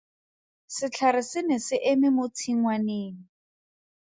Setlhare se ne se eme mo tshingwaneng.